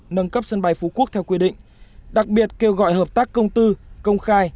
nâng cấp sân bay phú quốc theo quy định đặc biệt kêu gọi hợp tác công tư công khai